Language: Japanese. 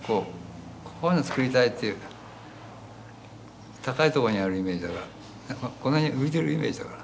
こういうの作りたいっていう高いところにあるイメージだからこの辺に浮いてるイメージだから。